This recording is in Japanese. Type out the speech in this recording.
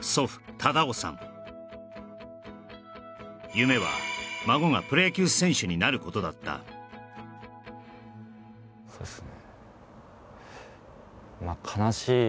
夢は孫がプロ野球選手になることだったそうっすね